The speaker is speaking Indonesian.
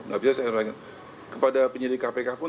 gak bisa saya sampaikan kepada penyelidik kpk pun